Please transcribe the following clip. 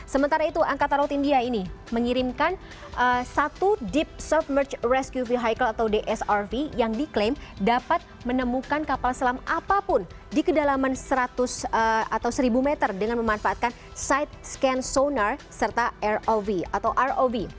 sementara itu angkatan laut india ini mengirimkan satu deep surpmerge rescue vehicle atau dsrv yang diklaim dapat menemukan kapal selam apapun di kedalaman seratus atau seribu meter dengan memanfaatkan side scan sonar serta rov atau rov